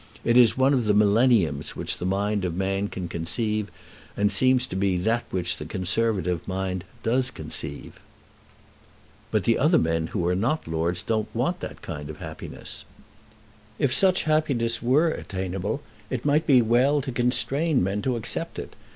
It is one of the millenniums which the mind of man can conceive, and seems to be that which the Conservative mind does conceive." "But the other men who are not lords don't want that kind of happiness." "If such happiness were attainable it might be well to constrain men to accept it.